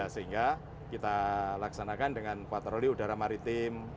sehingga kita laksanakan dengan patroli udara maritim